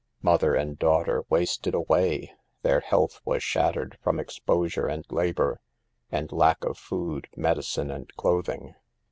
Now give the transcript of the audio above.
Mother and daughter wasted away ; their health was shattered from exposure, and labor, and lack of food, medicine and clothing.